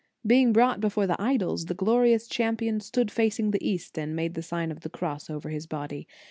Being brought before the idols, the glorious champion stood facing the East, and made the Sign of the Cross over his body.